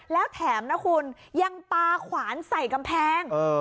แล้วแถมนะคุณยังปลาขวานใส่กำแพง